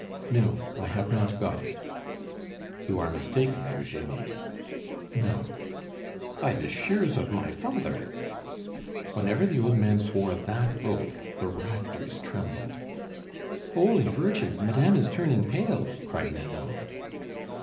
"No, I have not got it." "You are mistaken, Eugenie." "No." "By the shears of my father!" Whenever the old man swore that oath the rafters trembled. "Holy Virgin! Madame is turning pale," cried Nanon.